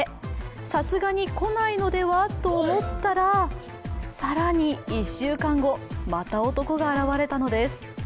さすがに来ないのではと思ったら更に１週間後、また男が現れたのです。